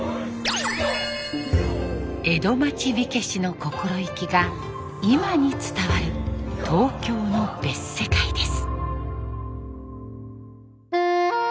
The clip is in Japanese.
江戸町火消しの心意気が今に伝わる東京の別世界です。